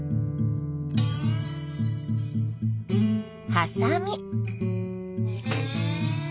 ハサミ。